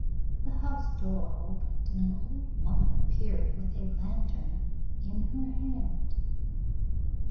The house door opened, and an old woman appeared with a lantern in her hand.